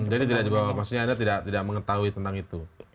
jadi tidak di bawah maksudnya anda tidak mengetahui tentang itu